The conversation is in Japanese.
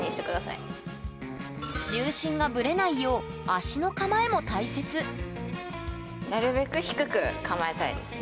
重心がぶれないよう足の構えも大切なるべく低く構えたいですね。